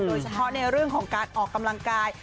โดยเฉพาะในเรื่องของการออกกำลังกาย